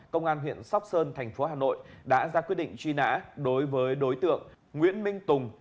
công an huyện sóc sơn thành phố hà nội đã ra quyết định truy nã đối với đối tượng nguyễn minh tùng